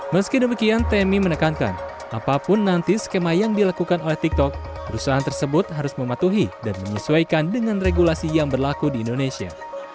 meski demikian temi menekankan apapun nanti skema yang dilakukan oleh tiktok perusahaan tersebut harus mematuhi dan menyesuaikan dengan regulasi yang berlaku di indonesia